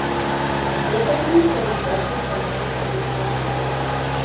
The family fled Brussels and settled in Antwerp.